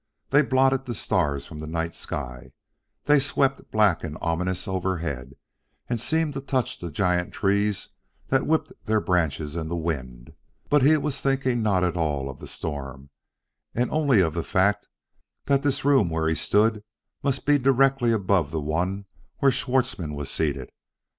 They blotted the stars from the night sky; they swept black and ominous overhead, and seemed to touch the giant trees that whipped their branches in the wind. But he was thinking not at all of the storm, and only of the fact that this room where he stood must be directly above the one where Schwartzmann was seated.